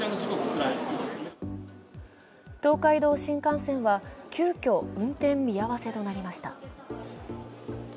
東海道新幹線は急きょ運転見合わせとなりました。